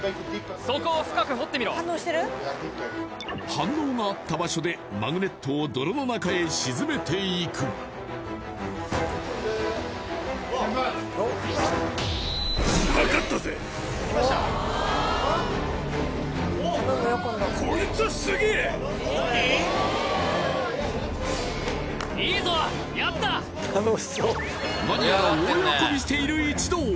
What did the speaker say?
反応があった場所でマグネットを泥の中へ沈めていく何やら大喜びしている一同